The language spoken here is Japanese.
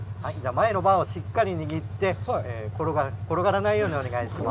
前のバーをしっかり握って転がらないようにお願いします。